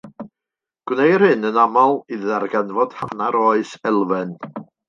Gwneir hyn yn aml i ddarganfod hanner oes elfen.